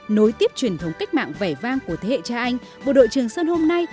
nối tiếp truyền thống cách mạng vẻ vang của thế hệ cha anh bộ đội trường sơn hôm nay